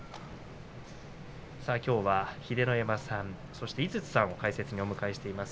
きょうは秀ノ山さんそして、井筒さんを解説にお迎えしています。